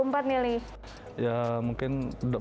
karena masih mereka